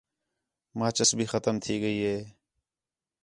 ماچس بھی ختم تھی ڳئی ہے